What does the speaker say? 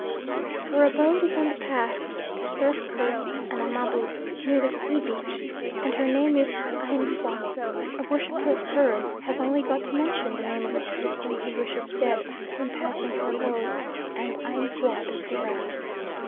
Her abode is on the path to surf cursed Anamabu near the sea beach, and her name is Aynfwa; a worshipper of hers has only got to mention the name of a person he wishes dead when passing her abode and Aynfwa does the rest.